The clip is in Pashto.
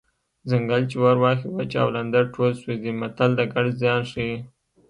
ځنګل چې اور واخلي وچ او لانده ټول سوځي متل د ګډ زیان ښيي